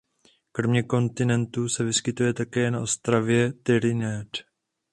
Kromě kontinentu se vyskytuje také na ostrově Trinidad.